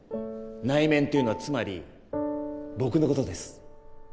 内面というのはつまり僕のことです